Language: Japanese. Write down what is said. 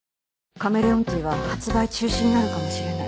カメレオンティーは発売中止になるかもしれない。